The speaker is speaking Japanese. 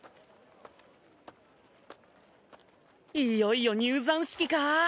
いよいよ入山式か。